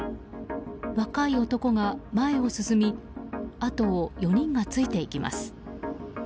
若い男が前を進みあとを４人がついていきます。